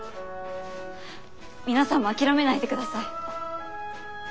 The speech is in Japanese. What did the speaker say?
皆さんも諦めないでください。